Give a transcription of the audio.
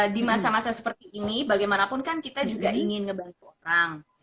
di masa masa seperti ini bagaimanapun kan kita juga ingin ngebantu orang